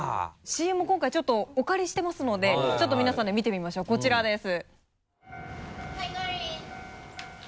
今回ちょっとお借りしていますのでちょっと皆さんで見てみましょうこちらです。